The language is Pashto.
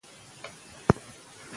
پښتو لولئ!